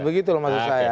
begitulah maksud saya